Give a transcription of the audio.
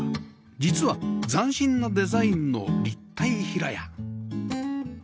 実は斬新なデザインの立体平屋